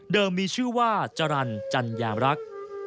เดิมมีชื่อว่าจรรจันยามรัก